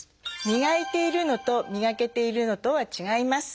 磨いているのと磨けているのとは違います。